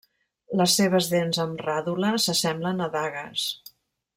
Les seves dents amb ràdula s'assemblen a dagues.